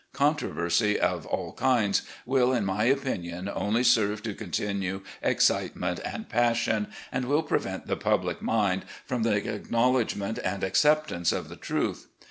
Controversy of all kinds will, in my opinion, only SCTve to continue excitement and passion, and will prevent 224 RECOLLECTIONS OF GENERAL LEE the public mind from the acknowledgment and accept ance of the truth.